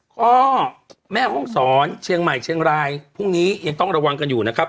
ก็แม่ห้องศรเชียงใหม่เชียงรายพรุ่งนี้ยังต้องระวังกันอยู่นะครับ